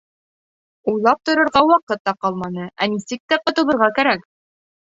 Уйлап торорға ваҡыт та ҡалманы, ә нисек тә ҡотолорға кәрәк.